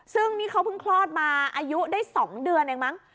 ซึ่งนี่เขาเพิ่งคลอดมาอายุได้๒เดือนเองมั้ง